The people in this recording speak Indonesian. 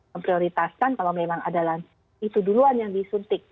memprioritaskan kalau memang adalah itu duluan yang disuntik